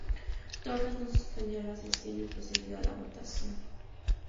Torres no suspendió la sesión y procedió a la votación.